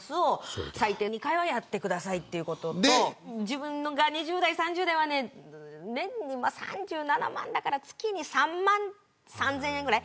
というメンテナンスを最低２回はやってくださいということと自分が２０代、３０代は年に３７万だから月に３万３０００円ぐらい。